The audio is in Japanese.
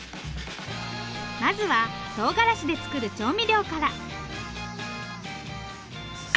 まずはとうがらしで作る調味料から。